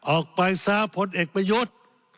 ออกไปซะพลเอกประยุทธ์